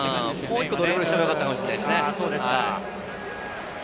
もう少しドリブルしてもよかったかもしれないですね。